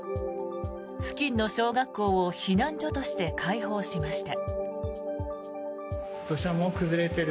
付近の小学校を避難所として開放しました。